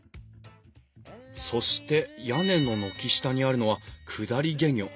そして屋根の軒下にあるのは降り懸魚。